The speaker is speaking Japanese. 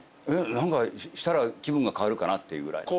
何かしたら気分が変わるかなっていうぐらい。